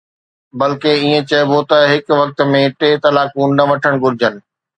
بلڪه ائين چئبو ته هڪ وقت ۾ ٽي طلاقون نه وٺڻ گهرجن